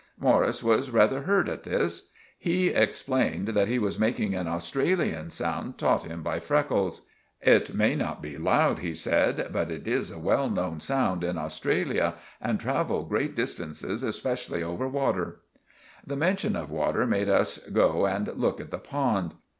Morris was rather hurt at this. Me explained that he was making an Australian sound tought him by Freckles. "It may not be loud," he said, "but it is a well none sound in Australia and travel grate distances espeshully over water." The menshun of water made us go and look at the pond.